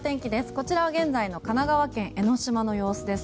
こちらは現在の神奈川県・江の島の様子です。